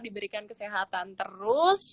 diberikan kesehatan terus